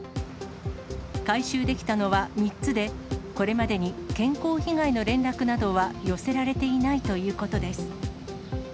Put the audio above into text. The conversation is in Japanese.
回収できたのは３つで、これまでに健康被害の連絡などは寄せられていないということです。